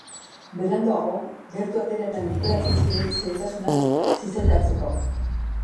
Beranduago, gertu atera eta lurperatzen ziren, xehetasunak zizelkatzeko.